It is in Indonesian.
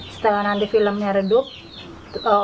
setelah nanti filmnya redup orangnya belum ketemu tutup buku lagi